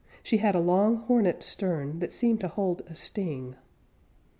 She had a long hornet stern that seemed to hold a sting.